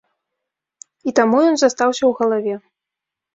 І таму ён застаўся ў галаве.